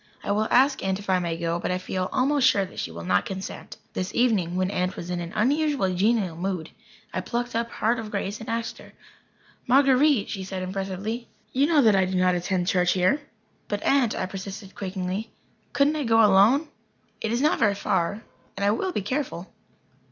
I will ask Aunt if I may go, but I feel almost sure that she will not consent." This evening, when Aunt was in an unusually genial mood, I plucked up heart of grace and asked her. "Marguer_ite_," she said impressively, "you know that I do not attend church here." "But, Aunt," I persisted, quakingly, "couldn't I go alone? It is not very far and I will be very careful."